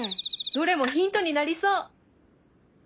どれもヒントになりそう！